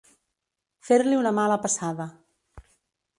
Fer-li una mala passada.